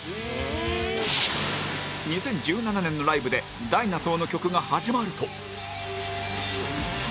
２０１７年のライブで『Ｄｉｎｏｓａｕｒ』の曲が始まると